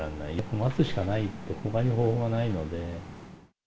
待つしかないって、ほかに方法がないので。